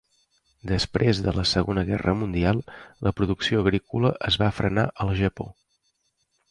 Després de la Segona guerra mundial, la producció agrícola es va frenar al Japó.